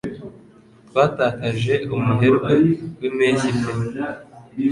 twatakaje umuherwe wimpeshyi pe